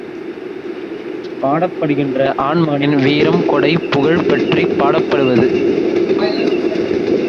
It is fondly regarded as the best beach in Scituate.